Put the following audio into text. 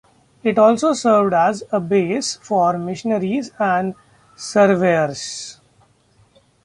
It also served as a base for missionaries and surveyors.